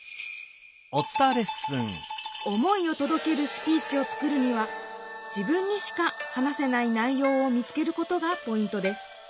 思いを届けるスピーチを作るには自分にしか話せない内ようを見つけることがポイントです。